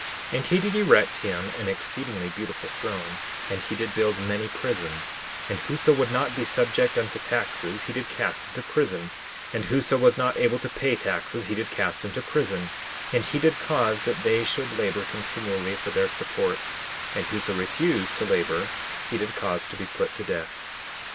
10:6 And he did erect him an exceedingly beautiful throne; and he did build many prisons, and whoso would not be subject unto taxes he did cast into prison; and whoso was not able to pay taxes he did cast into prison; and he did cause that they should labor continually for their support; and whoso refused to labor he did cause to be put to death.